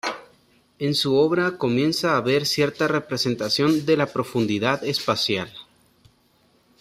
En su obra comienza a haber cierta representación de la profundidad espacial.